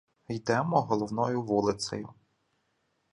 Йдемо головною вулицею.